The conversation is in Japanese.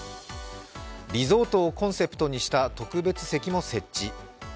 リゾートをコンセプトにした特別席も設置。